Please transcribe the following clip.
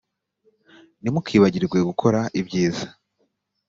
ntimukibagirwe gukora ibyiza